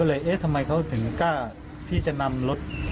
เอ๊ะทำไมเขาถึงกล้าที่จะนำรถ